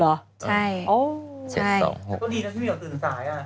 ก็ดีนะพี่ไม่ตรงอื่นสาย